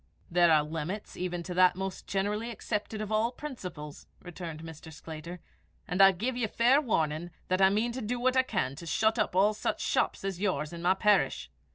"There are limits even to that most generally accepted of all principles," returned Mr. Sclater; "and I give you fair warning that I mean to do what I can to shut up all such houses as yours in my parish.